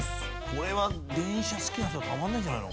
これは電車好きな人はたまんないんじゃないの？